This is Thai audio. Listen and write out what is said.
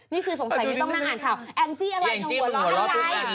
นี่คือสงสัยว่าอย่างนั้นไม่ต้องอ่านข่าวแอ้งจี้อะไรถ้ำหัว